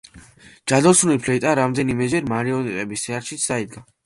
ჯადოსნური ფლეიტა რამდენიმეჯერ მარიონეტების თეატრშიც დაიდგა.